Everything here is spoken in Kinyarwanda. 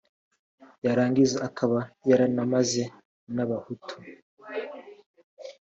yarangiza akaba yaranamaze n’ Abahutu